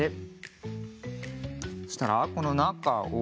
そしたらこのなかを。